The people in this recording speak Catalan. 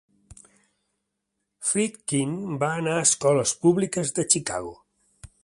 Friedkin va anar a escoles públiques de Chicago.